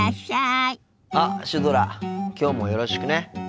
あっシュドラきょうもよろしくね。